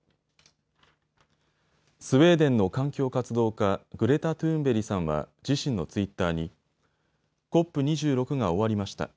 スウェーデンの環境活動家、グレタ・トゥーンベリさんは自身のツイッターにＣＯＰ２６が終わりました。